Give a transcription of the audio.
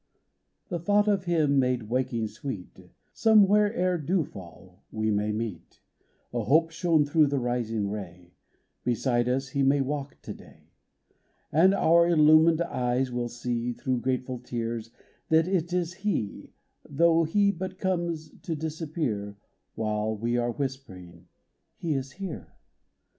The thought of Him made waking sweet :" Somewhere, ere dewfall, we may meet :" (i5) 1 6 EASTER GLEAMS A hope shone through the rising ray, —" Beside us He may walk to day ;" And our illumined eyes will see, Through grateful tears, that it is He, Though He but comes to disappear While we are whispering, 'He is here.'